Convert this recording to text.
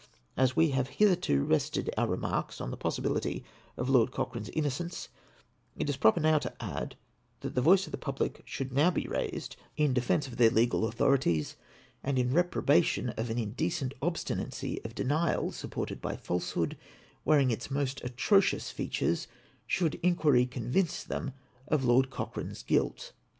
As we have hitherto rested our remarks on the possibility of Lord Cochrane's innocence, it is proper now to add that the voice of the public should now be raised in defence of their VOL. II. I I 482 APPENDIX XX. legal authorities, and iu reprobation of au indecent obstinacy of denial, supported by falsehood wearing its most atrocious features, should iu(piiry convince them of Lord Cochran e's guilt.